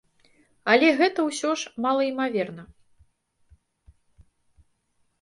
Але гэта ўсё ж малаімаверна.